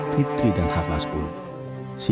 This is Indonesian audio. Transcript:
fitri dan harmas pun sia sia